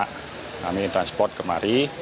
kami transport kemari